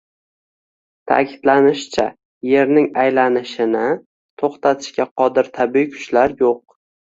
Ta’kidlanishicha, yerning aylanishini to‘xtatishga qodir tabiiy kuchlar yo‘q